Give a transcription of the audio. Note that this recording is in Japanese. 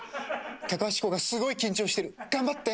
隆子がすごい緊張してる。頑張って。